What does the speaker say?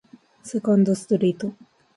セカンドストリート